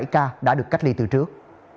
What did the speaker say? bảy mươi bảy ca đã được cách ly từ trước